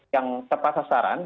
yang tepat sasaran